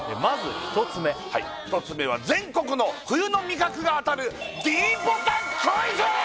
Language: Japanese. まず１つ目１つ目は全国の冬の味覚が当たるｄボタンクイズ！